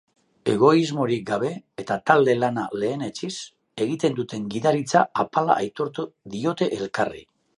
Egoismorik gabe eta talde lana lehenetsiz egiten duten gidaritza apala aitortu diote elkarri.